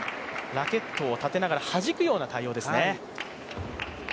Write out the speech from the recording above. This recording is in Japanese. ラケットを立てながら、はじくような対応ですね。